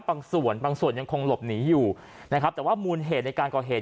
บางส่วนยังคงหลบหนีอยู่แต่ว่ามูลเหตุในการก่อเหตุ